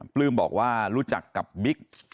ปลื้มบอกว่ารู้จักกับบิ๊ก